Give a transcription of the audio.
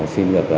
xin việc làm